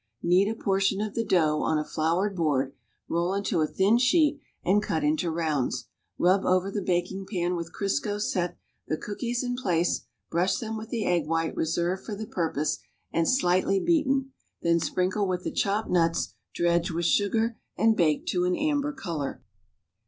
Knead a portion of the ilough on a flourcil board, roll into a thin sheet and cut into rounds; rub over the baking pan \\ilh Crisco set the cookies in place, Ijrush them with the egg white reserved for the purpose and slightly beaten, then sprinkle with the chopped uuts, dredge with sugar and bake to an amber color.